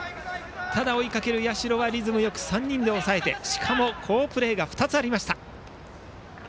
ただ追いかける社はリズムよく３人で抑えてしかも、好プレーが２つありました。